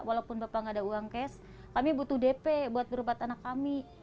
walaupun bapak nggak ada uang cash kami butuh dp buat berobat anak kami